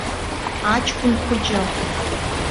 Аҷкәын хәыҷы.